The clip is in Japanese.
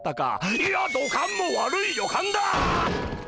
いや土管も悪い予感だ！